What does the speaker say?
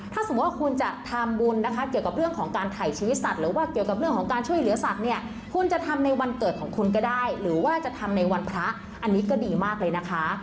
ถ้าสมมุติว่าคุณจะทำบุญนะคะเกี่ยวกับเรื่องของการถ่ายชีวิตสัตว์หรือว่าเกี่ยวกับเรื่องของการช่วยเหลือสัตว์เนี่ยคุณจะทำในวันเกิดของคุณก็ได้หรือว่าจะทำในวันพระอันนี้ก็ดีมากเลยนะคะ